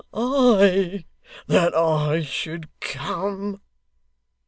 I! That I should come!